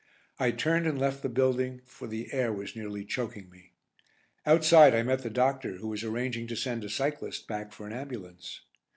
I turned and left the building, for the air was nearly choking me. Outside I met the doctor, who was arranging to send a cyclist back for an ambulance.